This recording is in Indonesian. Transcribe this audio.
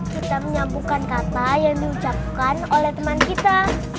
kita menyambungkan kata yang diucapkan oleh teman kita